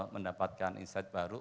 mendapatkan insight baru